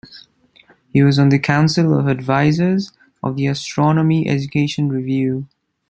He was on the Council of Advisors of the Astronomy Education Review.